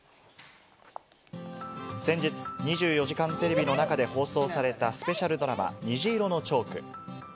先日『２４時間テレビ』の中で放送されたスペシャルドラマ『虹色のチョーク』。